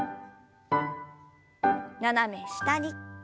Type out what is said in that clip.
斜め下に。